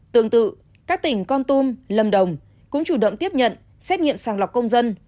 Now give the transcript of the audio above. tương tự các tỉnh con tum lâm đồng cũng chủ động tiếp nhận xét nghiệm sàng lọc công dân